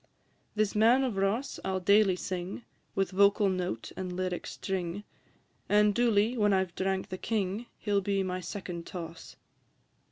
V. This Man of Ross I 'll daily sing, With vocal note and lyric string, And duly, when I 've drank the king, He 'll be my second toss.